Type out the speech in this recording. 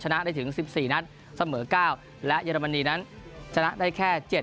ชนะได้ถึง๑๔นัดเสมอ๙และเยอรมนีนั้นชนะได้แค่๗